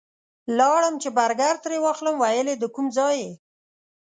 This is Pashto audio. لاړم چې برګر ترې واخلم ویل یې د کوم ځای یې؟